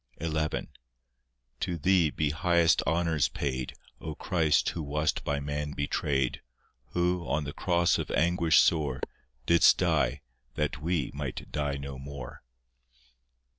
XI To Thee be highest honours paid, O Christ, who wast by man betrayed, Who, on the cross of anguish sore, Didst die, that we might die no more.